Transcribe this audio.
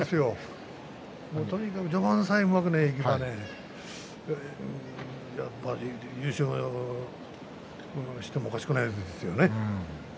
とにかく序盤さえうまくいけばやっぱり優勝してもおかしくないですよね。